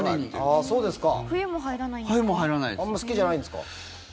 あまり好きじゃないんですか？